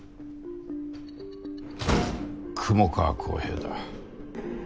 雲川幸平だ。